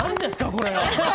これ。